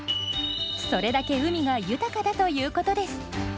それだけ海が豊かだということです。